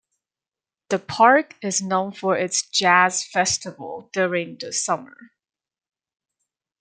The park is known for its jazz festival during the summer.